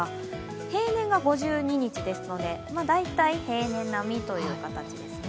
平年が５２日ですので、大体平年並みという形ですね。